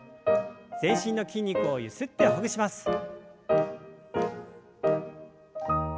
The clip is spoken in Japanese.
全身の筋肉をゆすってほぐします。